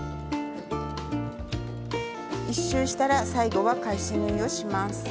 １周したら最後は返し縫いをします。